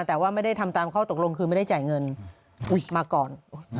แต่ว่าไม่ได้ทำตามข้อตกลงคือไม่ได้จ่ายเงินมาก่อน